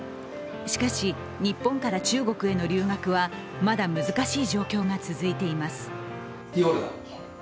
しかし、日本から中国への留学はまだ難しい状況が続いています。